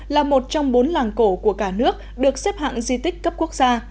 là một trong bốn làng cổ của cả nước được xếp hạng di tích cấp quốc gia